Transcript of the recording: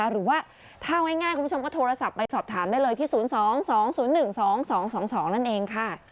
หรือว่าถ้าง่ายคุณผู้ชมก็โทรศัพท์ไปสอบถามได้เลยที่๐๒๒๐๑๒๒๒นั่นเองค่ะ